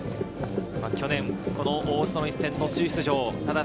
去年、大津との一戦、途中出場。